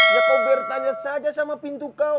ya kau biar tanya saja sama pintu kau